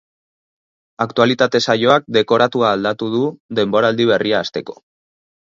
Aktualitate saioak dekoratua aldatu du denboraldi berria hasteko.